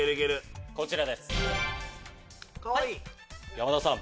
山田さん。